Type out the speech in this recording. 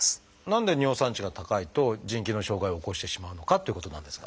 何で尿酸値が高いと腎機能障害を起こしてしまうのかっていうことなんですが。